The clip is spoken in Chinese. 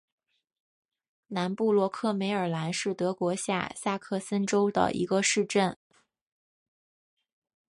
南布罗克梅尔兰是德国下萨克森州的一个市镇。